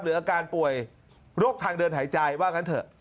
อาการป่วยโรคทางเดินหายใจว่างั้นเถอะ